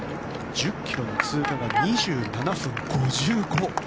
１０ｋｍの通過が２７分５５。